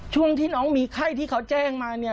ช่วงที่น้องมีไข้ที่เขาแจ้งมาเนี่ย